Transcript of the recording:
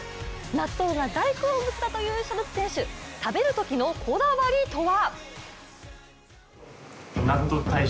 納豆が大好物だというショルツ選手食べるときの、こだわりとは！？